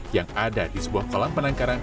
yang ada di sebuah kolam penangkaran